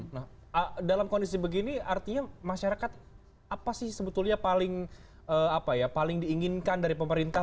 nah dalam kondisi begini artinya masyarakat apa sih sebetulnya paling diinginkan dari pemerintah